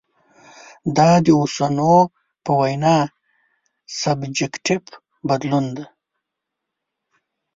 دا د اوسنو په وینا سبجکټیف بدلون دی.